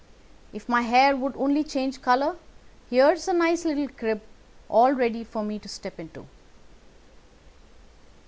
If my hair would only change colour, here's a nice little crib all ready for me to step into.